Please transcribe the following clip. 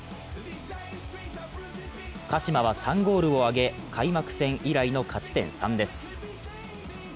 鹿島は３ゴールを挙げ開幕戦以来の勝ち点３です。